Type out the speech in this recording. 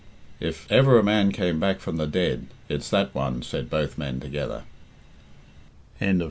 "If ever a man came back from the dead it's that one," said both men together. PART III.